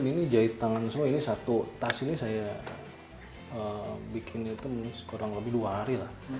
ini jahit tangan semua ini satu tas ini saya bikin itu kurang lebih dua hari lah